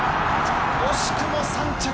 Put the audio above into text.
惜しくも３着。